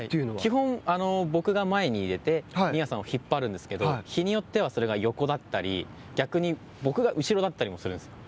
基本、僕が前に出て新谷さんを引っ張るんですけど日によっては、それが横だったり逆に僕が後ろだったりもするんです。